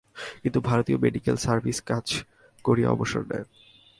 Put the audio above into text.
তিনি ভারতীয় medical service কাজ করিয়া অবসর নেন।